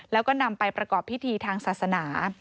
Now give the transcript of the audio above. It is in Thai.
แล้วก็นำไปประกอบพิธีทางศาสนา